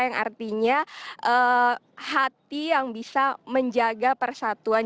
yang artinya hati yang bisa menjaga persatuan